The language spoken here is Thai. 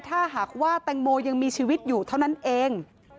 ถ้าหากว่าแตงโมยังมีชีวิตอยู่เท่านั้นเอง